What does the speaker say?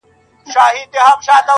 زما له زخمي کابله ویني څاڅي!